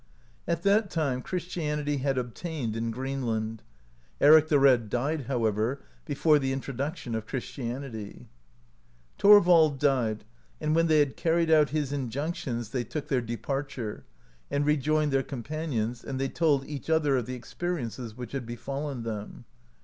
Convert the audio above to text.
At that time Christianity had obtained in Greenland ; Eric the Red died, however, before [the introduction of] Christianity. Thorvald died, and when they had carried out his in junctions, they took their departure, and rejoined their companions, and they told each other of the experiences which had befallen them.